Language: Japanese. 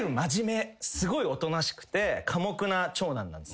すごいおとなしくて寡黙な長男なんですね。